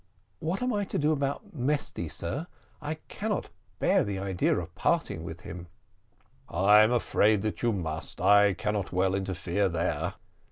"What am I to do about Mesty, sir? I cannot bear the idea of parting with him." "I am afraid that you must; I cannot well interfere there."